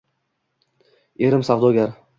Erim savdogar.